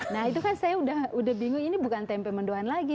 nah itu kan saya udah bingung ini bukan tempe mendoan lagi